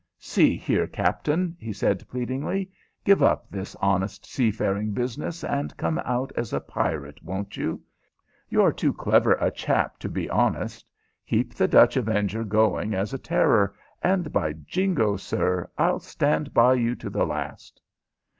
"See here, captain," he said, pleadingly, "give up this honest seafaring business and come out as a pirate, won't you? You're too clever a chap to be honest. Keep the Dutch Avenger going as a terror, and, by Jingo, sir, I'll stand by you to the last."